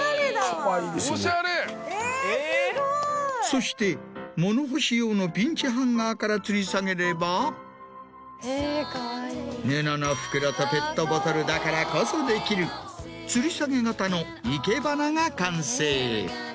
そして物干し用のピンチハンガーからつり下げれば布の袋とペットボトルだからこそできるつり下げ型の生け花が完成。